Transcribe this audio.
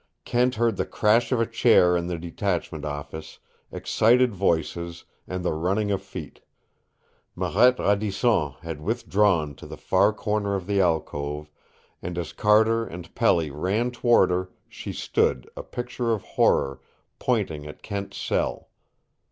Kent heard the crash of a chair in the detachment office, excited voices, and the running of feet. Marette Radisson had withdrawn to the far corner of the alcove, and as Carter and Pelly ran toward her, she stood, a picture of horror, pointing at Kent's cell.